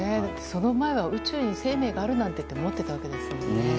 その前は宇宙に生命があるなんてと思っていましたからね。